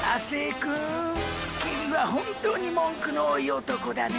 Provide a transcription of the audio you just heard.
君は本当に文句の多い男だね。